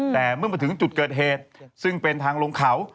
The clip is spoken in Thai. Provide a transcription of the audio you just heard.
แต่เมื่อมาถึงจุดเกิดเหตุซึ่งเป็นทางลงเขา